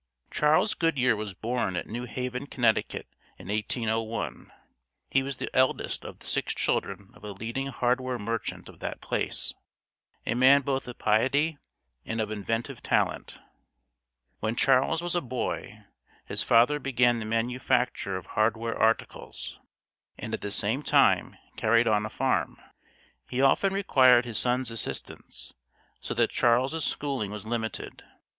Charles Goodyear was born at New Haven, Connecticut, in 1801. He was the eldest of the six children of a leading hardware merchant of that place, a man both of piety and of inventive talent. When Charles was a boy, his father began the manufacture of hardware articles, and at the same time carried on a farm. He often required his son's assistance, so that Charles's schooling was limited.